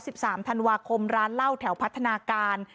สามธันวาคมร้านเหล้าแถวพัฒนาการ